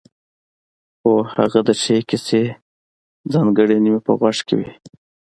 هو هغه د ښې کیسې ځانګړنې مې په غوږ کې وې.